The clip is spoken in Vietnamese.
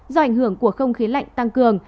do ảnh hưởng của không khí lạnh tăng cường